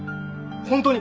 本当に！